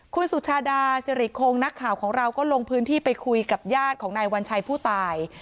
คุณสุชาดาสิริคงนักข่าวของเราก็ลงพื้นที่ไปคุยกับญาติของนายวัญชัยผู้ตาย